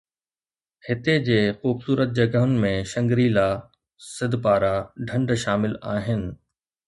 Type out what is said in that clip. هتي جي خوبصورت جڳهن ۾ شنگري لا، سدپارا ڍنڍ شامل آهن